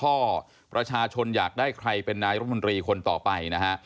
ประชาชนอยากได้ใครเป็นนายรมนตรีคนต่อไปนะฮะ